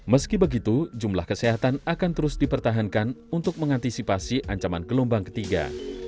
meski begitu jumlah kesehatan akan terus dipertahankan untuk mengantisipasi ancaman gelombang ketiga